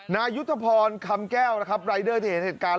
นายุทธพรคำแก้วนะครับรายเดอร์ที่เห็นเหตุการณ์